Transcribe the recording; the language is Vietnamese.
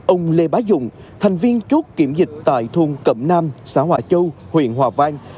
ông lê bá dụng thành viên chốt kiểm dịch tại thôn cẩm nam xã hòa châu huyện hòa vang